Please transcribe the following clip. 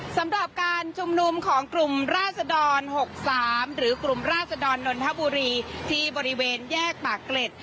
สำหรับการชุมนุมของกลุ่มราศดร๖๓หรือกลุ่มราศดรนนทบุรีที่บริเวณแยกปากเกร็ด